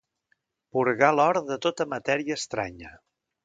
Purgar l'or de tota matèria estranya.